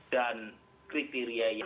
dan kriteria yang